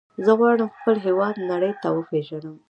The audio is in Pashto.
زه غواړم خپل هېواد نړۍ ته وپیژنم.